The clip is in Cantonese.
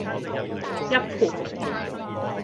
一盤